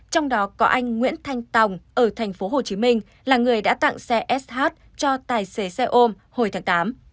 trong đó có anh nguyễn thanh tòng ở tp hcm là người đã tặng xe sh cho tài xế xe ôm hồi tháng tám